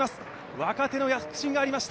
若手の躍進がありました。